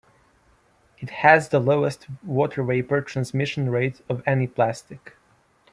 It has the lowest water vapor transmission rate of any plastic.